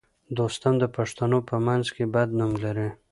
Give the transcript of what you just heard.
دوستم د پښتنو په منځ کې بد نوم لري